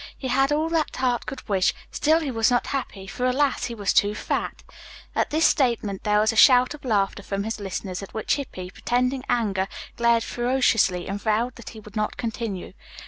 He had all that heart could wish; still he was not happy, for, alas, he was too fat." At this statement there was a shout of laughter from his listeners, at which Hippy, pretending anger, glared ferociously and vowed that he would not continue.